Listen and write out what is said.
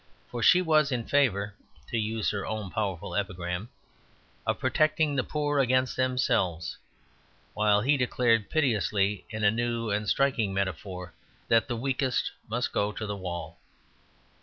For she was in favour (to use her own powerful epigram) of protecting the poor against themselves; while he declared pitilessly, in a new and striking metaphor, that the weakest must go to the wall.